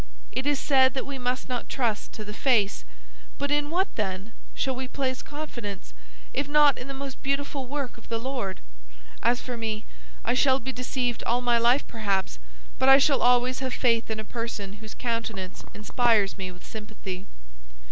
It is said that we must not trust to the face; but in what, then, shall we place confidence, if not in the most beautiful work of the Lord? As for me, I shall be deceived all my life perhaps, but I shall always have faith in a person whose countenance inspires me with sympathy."